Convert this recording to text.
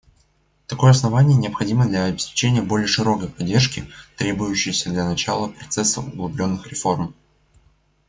Такое основание необходимо для обеспечения более широкой поддержки, требующейся для начала процесса углубленных реформ.